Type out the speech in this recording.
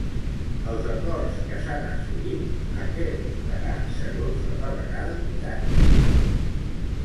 Els acords que s'han assolit a què portaran, segons la delegada britànica?